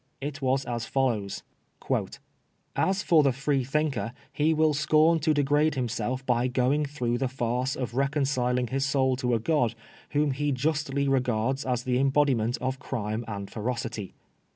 It was as follows : "As for the Freethinker, he will scorn to degrade himself by going through the farce of OUB FIBST SUMMONS. 31 reconciling his soul to a God whom he jnstly regards as the embodiment of crime and ferocity."